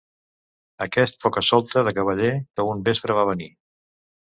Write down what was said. Aquest poca-solta de cavaller que un vespre va venir.